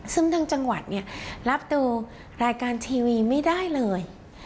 ซึ่งทางจังหวัดเนี่ยรับดูรายการทีวีไม่ได้เลย